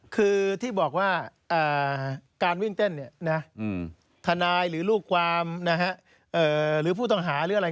คือที่บอกว่าการวิ่งเต้นทนายหรือลูกความหรือผู้ต้องหาหรืออะไร